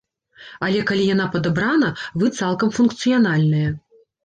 Але калі яна падабрана, вы цалкам функцыянальныя.